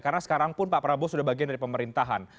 karena sekarang pun pak prabowo sudah bagian dari pemerintahan